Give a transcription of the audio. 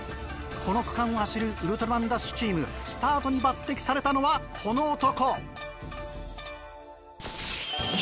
この区間を走るウルトラマンＤＡＳＨチームスタートに抜擢されたのはこの男。